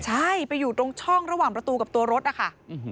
ใช่ไปอยู่ตรงช่องระหว่างประตูกับตัวรถนะคะ